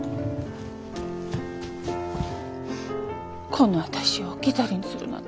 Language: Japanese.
この私を置き去りにするなんて！